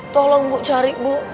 tolong ibu cari ibu